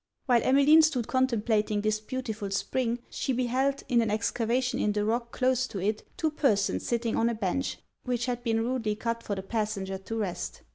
While Emmeline stood contemplating this beautiful spring, she beheld, in an excavation in the rock close to it, two persons sitting on a bench, which had been rudely cut for the passenger to rest.